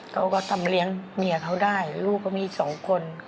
เขาก็ทำเลี้ยงเมียเขาได้ลูกเขามีสองคน